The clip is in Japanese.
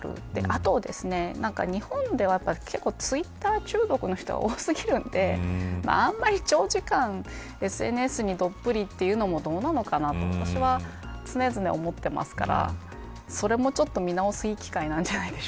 あと日本ではツイッター中毒の人が多すぎるのであまり時間、ＳＮＳにどっぷりというのもどうなのかなと私は常々思ってますからそれも、ちょっと見直すいい機会なんじゃ